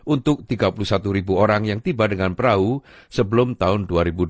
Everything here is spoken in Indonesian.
untuk tiga puluh satu ribu orang yang tiba dengan perahu sebelum tahun dua ribu dua puluh